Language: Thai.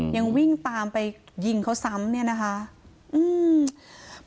ยังวิ่งตามไปยิงเขาซ้ำเนี่ยนะคะอืม